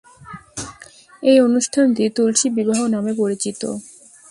এই অনুষ্ঠানটি তুলসী বিবাহ নামে পরিচিত।